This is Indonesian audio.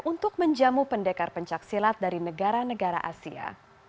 untuk menjamu pendekar pencaksilat dari negara negara asia